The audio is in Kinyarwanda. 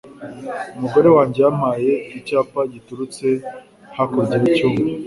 Umugore wanjye yampaye icyapa giturutse hakurya y'icyumba.